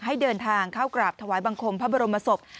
ให้เดินทางเข้ากราบถวายบังคมพระบรมศพ